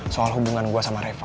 soal hubungan gue sama reva